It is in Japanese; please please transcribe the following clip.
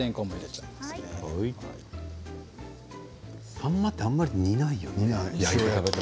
さんまって、あんまり煮ないよね。